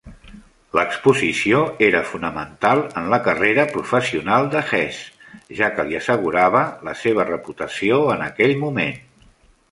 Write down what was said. L'exposició era fonamental en la carrera professional de Hesse, ja que li assegurava la seva reputació en aquell moment.